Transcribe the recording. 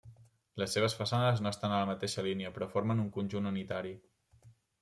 Les seves façanes no estan a la mateixa línia però formen un conjunt unitari.